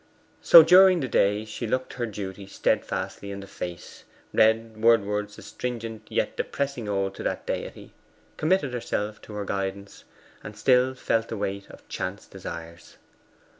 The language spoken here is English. So during the day she looked her duty steadfastly in the face; read Wordsworth's astringent yet depressing ode to that Deity; committed herself to her guidance; and still felt the weight of chance desires.